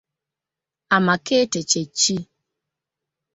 Amakkete kye ki?